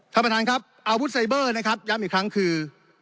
ท่านประธานครับอาวุธไซเบอร์นะครับย้ำอีกครั้งคือ